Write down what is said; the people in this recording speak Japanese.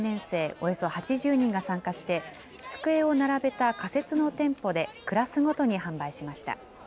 およそ８０人が参加して、机を並べた仮設の店舗でクラスごとに販売しました。